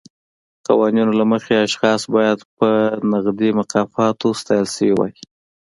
قوانینو له مخې اشخاص باید په نغدي مکافاتو ستایل شوي وای.